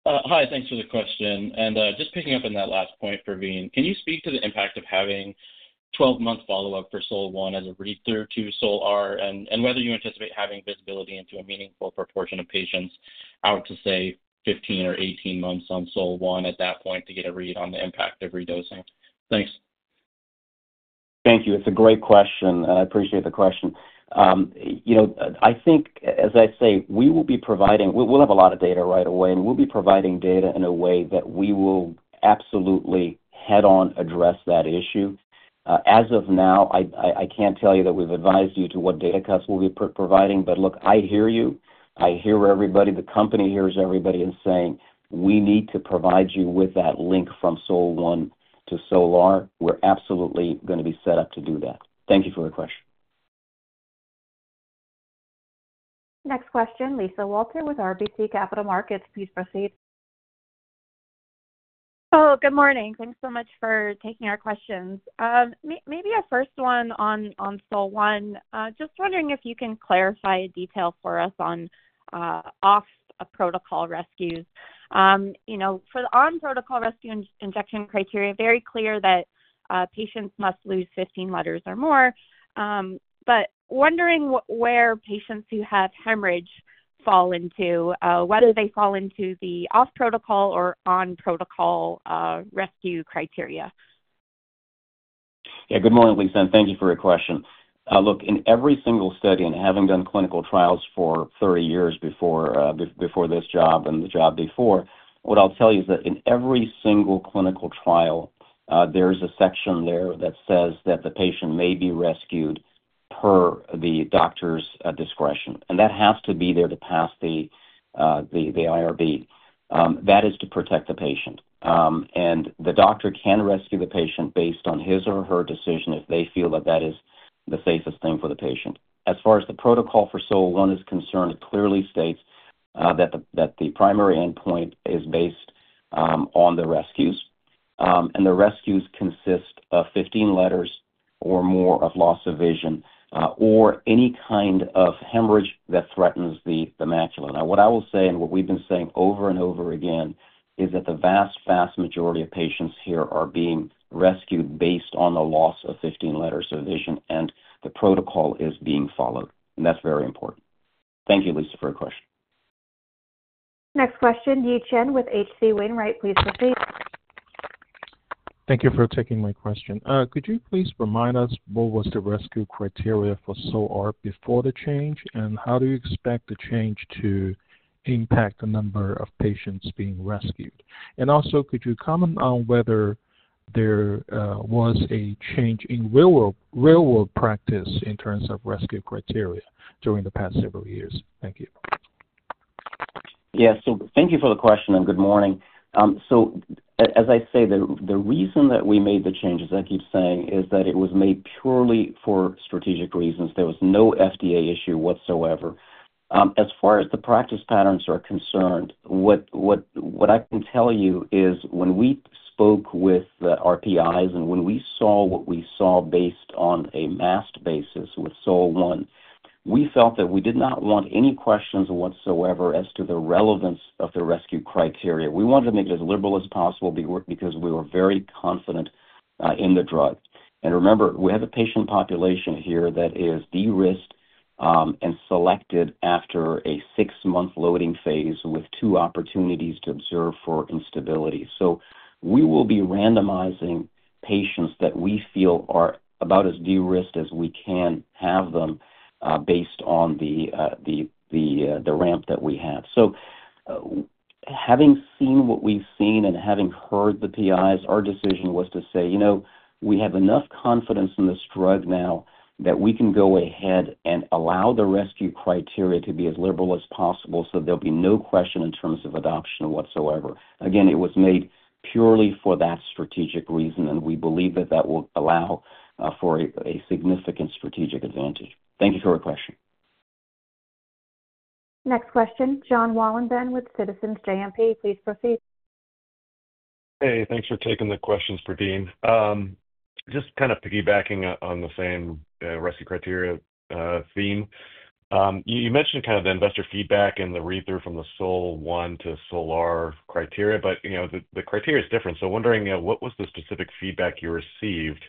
Hi, thanks for the question. And just picking up on that last point for Veeam. Can you speak to the impact of having twelve month follow-up for SOUL I as a read through to SOUL R? And whether you anticipate having visibility into a meaningful proportion of patients out to say fifteen or eighteen months on SOL-one at that point to get a read on the impact of redosing? Thanks. Thank you. It's a great question. I appreciate the question. I think as I say, we will be providing, we'll have a lot of data right away and we'll be providing data in a way that we will absolutely head on address that issue. As of now, I can't tell you that we've advised you to what data cuts we'll be providing. But look, I hear you. I hear everybody, the company hears everybody in saying, we need to provide you with that link from SOUL1 to SOLAAR. We're absolutely going to be set up to do that. Thank you for the question. Next question, Lisa Walter with RBC Capital Markets. Please proceed. Good morning. Thanks so much for taking our questions. Maybe a first one Just wondering if you can clarify a detail for us on off protocol rescues. For the on protocol rescue injection criteria, very clear that patients must lose 15 letters or more, but wondering where patients who have hemorrhage fall into, whether they fall into the off protocol or on protocol rescue criteria. Yeah, good morning Lisa, and thank you for your question. Look, in every single study and having done clinical trials for thirty years before this job and the job before, what I'll tell you is that in every single clinical trial there's a section there that says that the patient may be rescued per the doctor's discretion. And that has to be there to pass the IRB. That is to protect the patient. And the doctor can rescue the patient based on his or her decision if they feel that that is the safest thing for the patient. As far as the protocol for SOLO-one is concerned, it clearly states that the primary endpoint is based on the rescues. And the rescues consist of 15 letters or more of loss of vision or any kind of hemorrhage that threatens the macula. Now what I will say and what we've been saying over and over again is that the vast, vast majority of patients here are being rescued based on the loss of 15 letters of vision and the protocol is being followed. And that's very important. Thank you Lisa for your question. Next question, Yi Chen with H. C. Wainwright. Please proceed. Thank you for taking my question. Could you please remind us what was the rescue criteria for SOAR before the change? And how do you expect the change to impact the number of patients being rescued? And also, could you comment on whether there was a change in real world practice in terms of rescue criteria during the past several years? Thank you. Yes, so thank you for the question and good morning. So as I say the reason that we made the changes, I keep saying, is that it was made purely for strategic reasons. There was no FDA issue whatsoever. As far as the practice patterns are concerned, what I can tell you is when we spoke with RPIs and when we saw what we saw based on a masked basis with SOLA-one, we felt that we did not want any questions whatsoever as to the relevance of the rescue criteria. We wanted to make it as liberal as possible because we were very confident in the drug. And remember, we have a patient population here that is de risked and selected after a six month loading phase with two opportunities to observe for instability. So we will be randomizing patients that we feel are about as de risked as we can have them based on the ramp that we have. So having seen what we've seen and having heard the PIs, our decision was to say, you know, we have enough confidence in this drug now that we can go ahead and allow the rescue criteria to be as liberal as possible so there'll be no question in terms of adoption whatsoever. Again, it was made purely for that strategic reason and we believe that that will allow for a significant strategic advantage. Thank you for your question. Next question, John Wallinburne with Citizens JMP. Please proceed. Hey, thanks for taking the questions for Dean. Just kind of piggybacking on the same rescue criteria theme. You mentioned kind of the investor feedback and the read through from the SOL one to SOLAR criteria, but the criteria is different. So wondering what was the specific feedback you received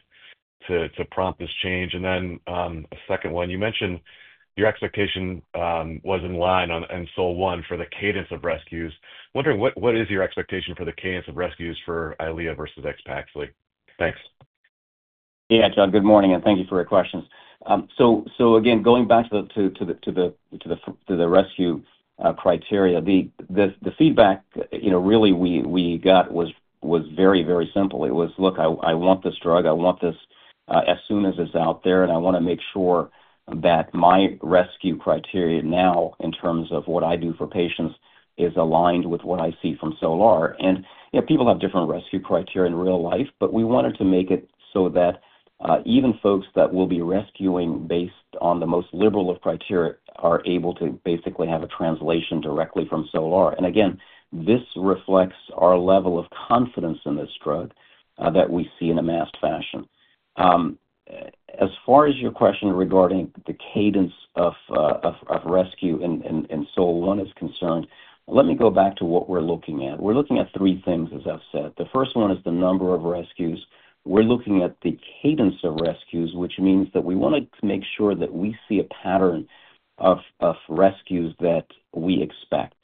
to prompt this change? And then a second one, you mentioned your expectation was in line and so one for the cadence of rescues. Wondering what is your expectation for the cadence of rescues for EYLEA versus ex Paxley? Thanks. Yeah John, good morning and thank you for your questions. So again, going back to the rescue criteria, the feedback really we got was very, very simple. It was look, I want this drug, I want this as soon as it's out there and I wanna make sure that my rescue criteria now in terms of what I do for patients is aligned with what I see from SOLAR. And people have different rescue criteria in real life, but we wanted to make it so that even folks that will be rescuing based on the most liberal of criteria are able to basically have a translation directly from SOLAR. And again, this reflects our level of confidence in this drug that we see in a masked fashion. As far as your question regarding the cadence of rescue and SOLO-one is concerned, let me go back to what we're looking at. We're looking at three things as I've said. The first one is the number of rescues. We're looking at the cadence of rescues which means that we want to make sure that we see a pattern of rescues that we expect.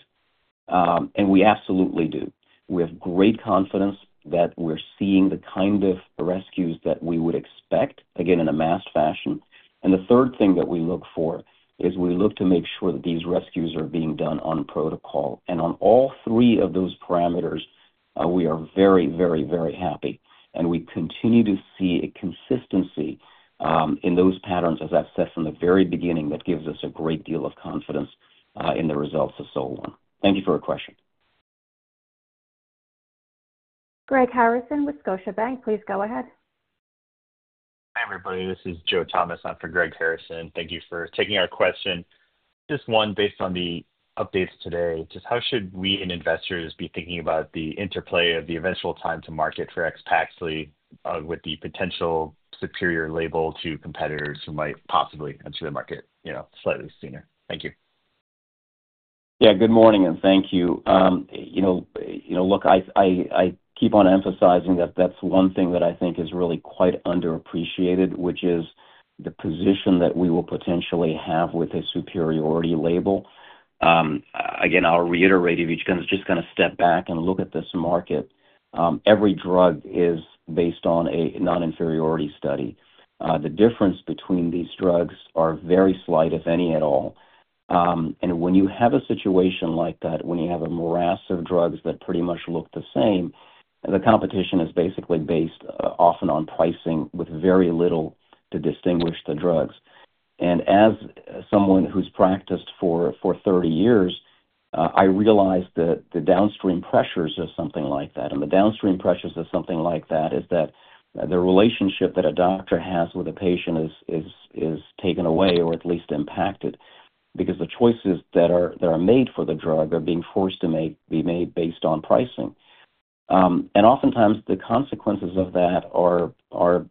And we absolutely do. We have great confidence that we're seeing the kind of rescues that we would expect, again in a masked fashion. And the third thing that we look for is we look to make sure that these rescues are being done on protocol. And on all three of those parameters we are very, very, very happy. And we continue to see a consistency in those patterns, as I've said from the very beginning, that gives us a great deal of confidence in the results of SOLO-one. Thank you for your question. Greg Harrison with Scotiabank. Please go ahead. Hi, everybody. This is Joe Thomas on for Greg Harrison. Thank you for taking our question. Just one based on the updates today, just how should we investors be thinking about the interplay of the eventual time to market for ex Paxley with the potential superior label to competitors who might possibly enter the market slightly sooner? Thank you. Yes, good morning and thank you. Look, I keep on emphasizing that that's one thing that I think is really quite underappreciated, which is the position that we will potentially have with a superiority label. Again, I'll reiterate if you're just going to step back and look at this market. Every drug is based on a non inferiority study. The difference between these drugs are very slight if any at all. And when you have a situation like that, when you have a morass of drugs that pretty much look the same, the competition is basically based often on pricing with very little to distinguish the drugs. And as someone who's practiced for thirty years, I realized that the downstream pressures of something like that. And the downstream pressures of something like that is that the relationship that a doctor has with a patient is taken away or at least impacted. Because the choices that are made for the drug are being forced to be made based on pricing. And often times the consequences of that are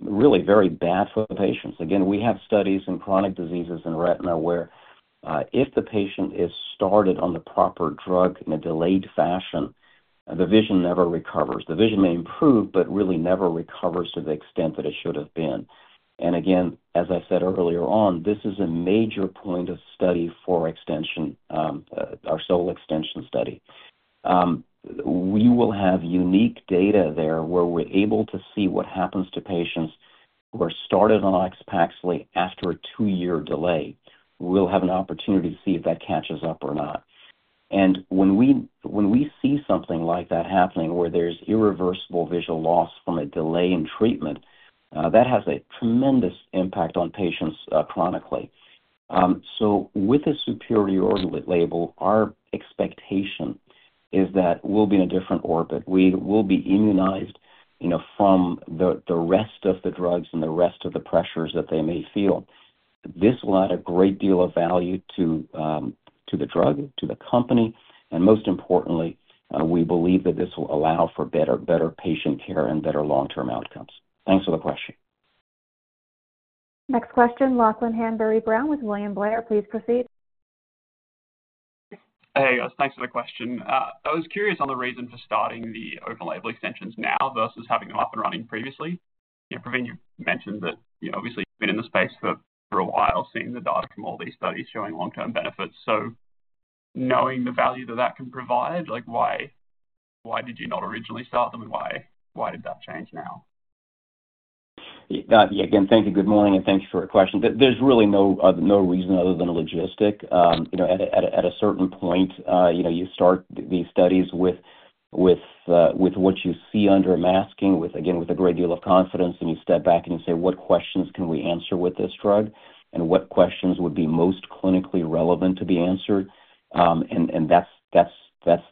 really very bad for the patients. Again, we have studies in chronic diseases in retina where if the patient is started on the proper drug in a delayed fashion, the vision never recovers. The vision may improve but really never recovers to the extent that it should have been. And again, as I said earlier on, this is a major point of study for extension, our sole extension study. We will have unique data there where we're able to see what happens to patients who are started on Oxpaxil after a two year delay. We'll have an opportunity to see if that catches up or not. And when we see something like that happening where there's irreversible visual loss from a delay in treatment, that has a tremendous impact on patients chronically. So with a superiority label, our expectation is that we'll be in a different orbit. We will be immunized from the rest of the drugs and the rest of the pressures that they may feel. This will add a great deal of value to the drug, to the company, and most importantly, we believe that this will allow for better patient care and better long term outcomes. Thanks for the question. Next question, Lachlan Hanbury Brown with William Blair. Please proceed. Hey, guys. Thanks for the question. I was curious on the reason for starting the open label extensions now versus having them up and running previously. Praveen, you mentioned that, obviously, you've been in the space for a while, seeing the data from all these studies showing long term benefits. So knowing the value that that can provide, like why did you not originally start them and why did that change now? Again, thank you. Good morning and thanks for your question. There's really no reason other than a logistic. At a certain point, you start these studies with what you see under masking, with again with a great deal of confidence and you step back and you say what questions can we answer with this drug? And what questions would be most clinically relevant to be answered? And that's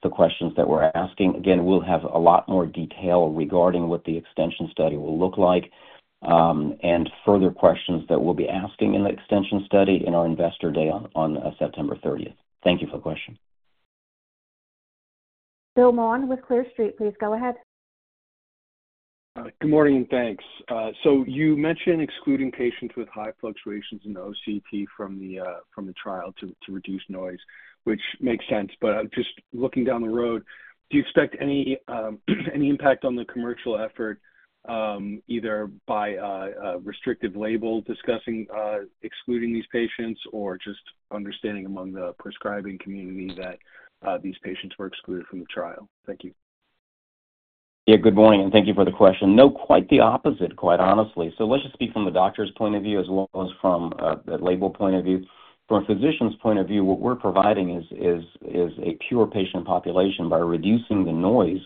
the questions that we're asking. Again, we'll have a lot more detail regarding what the extension study will look like. And further questions that we'll be asking in the extension study in our Investor Day on September 30. Thank you for the question. Bill Maun with Clear Street. Please go ahead. Good morning. Thanks. So you mentioned excluding patients with high fluctuations in OCT from the trial to reduce noise, which makes sense. But just looking down the road, do you expect any impact on the commercial effort, either by restrictive label discussing excluding these patients or just understanding among prescribing community that these patients were excluded from the trial? Thank you. Yeah, good morning and thank you for the question. No, quite the opposite, quite honestly. So let's just speak from the doctor's point of view as well as from a label point of view. From a physician's point of view, what we're providing is a pure patient population. By reducing the noise,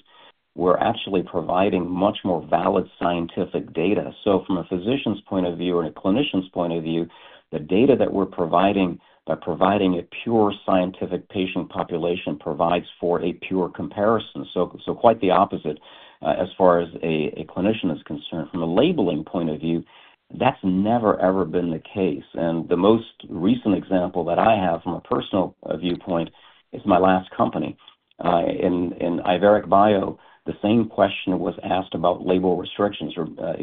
we're actually providing much more valid scientific data. So from a physician's point of view or a clinician's point of view, the data that we're providing by providing a pure scientific patient population provides for a pure comparison. So quite the opposite as far as a clinician is concerned. From a labeling point of view, that's never ever been the case. And the most recent example that I have from a personal viewpoint is my last company. In Iveric Bio, the same question was asked about label restrictions.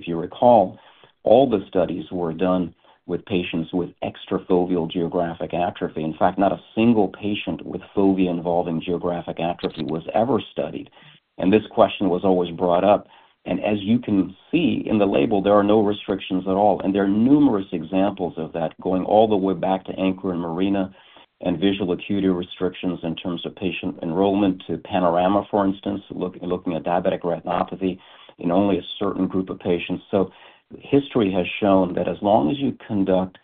You recall, all the studies were done with patients with extrafoveal geographic atrophy. In fact, not a single patient with fovea involving geographic atrophy was ever studied. And this question was always brought up. And as you can see in the label, there are no restrictions at all. And there are numerous examples of that going all the way back to ANCHOR and MARINA and visual acuity restrictions in terms of patient enrollment to PANORAMA for instance, looking at diabetic retinopathy in only a certain group of patients. So history has shown that as long as you conduct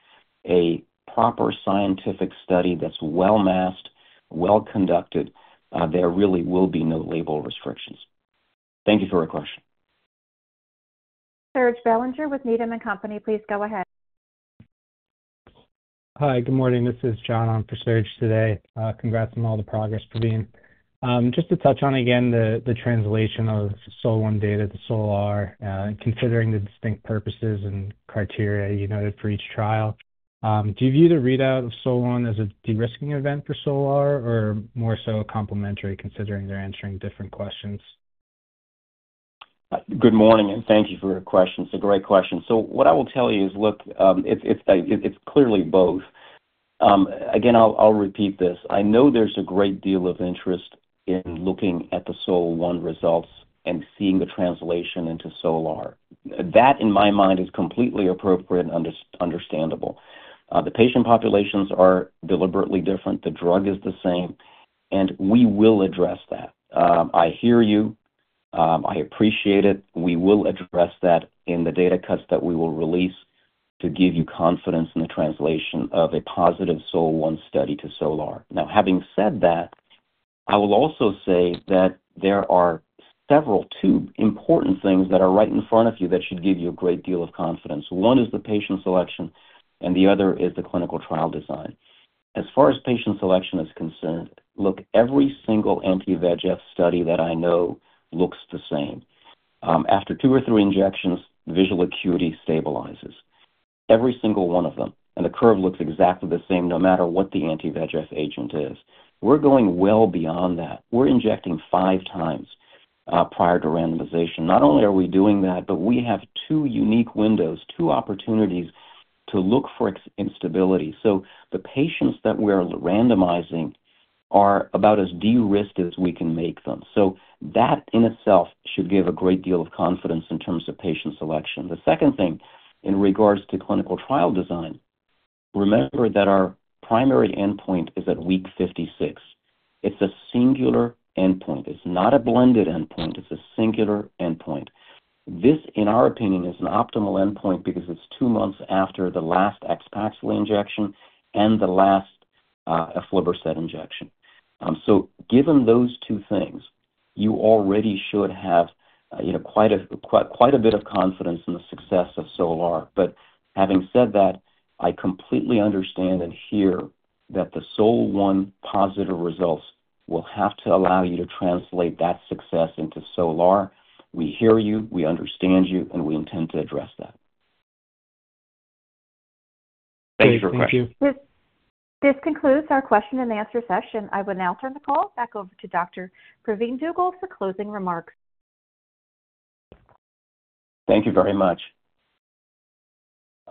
a proper scientific study that's well masked, well conducted, there really will be no label restrictions. Thank you for your question. Serge Belanger with Needham and Company. Please go ahead. Hi, good morning. This is John on for Serge today. Congrats on all the progress, Praveen. Just to touch on again the translation of SOLO-one data to SOLAR and considering the distinct purposes and criteria you noted for each trial, do you view the readout of SOLAR1 as a derisking event for SOLAR or more so complementary considering they're answering different questions? Good morning and thank you for your questions. A great question. So what I will tell you is, look, it's clearly both. Again, I'll repeat this. I know there's a great deal of interest in looking at the SOLO-one results and seeing the translation into SOLAR. That in my mind is completely appropriate and understandable. The patient populations are deliberately different. The drug is the same. And we will address that. I hear you. I appreciate it. We will address that in the data cuts that we will release to give you confidence in the translation of a positive SOLO-one study to SOLAR. Now having said that, I will also say that there are several, two important things that are right in front of you that should give you a great deal of confidence. One is the patient selection and the other is the clinical trial design. As far as patient selection is concerned, look every single anti VEGF study that I know looks the same. After two or three injections visual acuity stabilizes. Every single one of them. And the curve looks exactly the same no matter what the anti VEGF agent is. We're going well beyond that. We're injecting five times prior to randomization. Not only are we doing that, but we have two unique windows, two opportunities to look for instability. So the patients that we are randomizing are about as de risked as we can make them. So that in itself should give a great deal of confidence in terms of patient selection. The second thing in regards to clinical trial design, remember that our primary endpoint is at week fifty six. It's a singular endpoint. It's not a blended endpoint. It's a singular endpoint. This, in our opinion, is an optimal endpoint because two months after the last Ex Paxil injection and the last Eflibercept injection. So given those two things, you already should have quite a bit of confidence in the success of SOLAR. But having said that, I completely understand and hear that the SOLAR-one positive results will have to allow you to translate that success into SOLAR. We hear you, we understand you, and we intend to address that. Thank concludes our question and answer session. I will now turn the call back over to Doctor. Praveen Dugel for closing remarks. Thank you very much.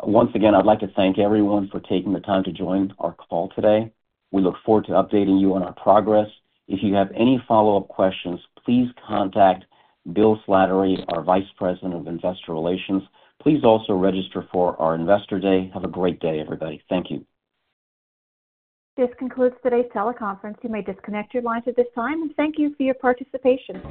Once again, I'd like to thank everyone for taking the time to join our call today. We look forward to updating you on our progress. If you have any follow-up questions, please contact Bill Slattery, our Vice President of Investor Relations. Please also register for our Investor Day. Have a great day everybody. Thank you. This concludes today's teleconference. You may disconnect your lines at this time. Thank you for your participation.